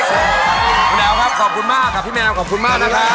คุณแอ๋วครับขอบคุณมากครับพี่แมวขอบคุณมากนะครับ